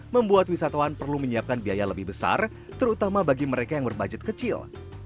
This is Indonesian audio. membuat wisatawan perlu menyiapkan biaya lebih besar terutama bagi mereka yang berbudget kecil